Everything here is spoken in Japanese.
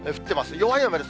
弱い雨です。